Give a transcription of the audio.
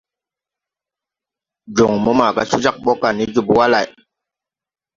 Jon mo maga co jāg bɔ ga ne jòbō wa lay.